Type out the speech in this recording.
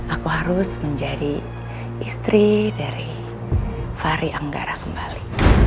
aku harus menjadi istri dari fahri anggara kembali